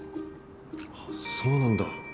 あそうなんだ。